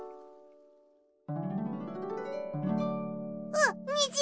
あっにじ！